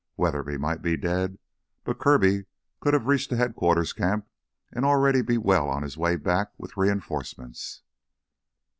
Weatherby might be dead, but Kirby could have reached the headquarters camp and already be well on his way back with reinforcements.